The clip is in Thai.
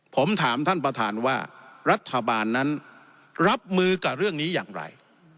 ผมถามท่านประธานว่ารัฐบาลนั้นรับมือกับเรื่องนี้อย่างไร